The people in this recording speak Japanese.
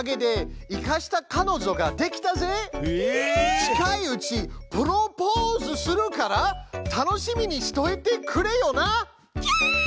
「近いうちプロポーズするから楽しみにしといてくれよな」。